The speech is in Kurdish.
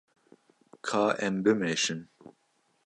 Ka em bimeşin.